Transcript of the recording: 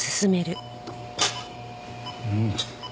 うん。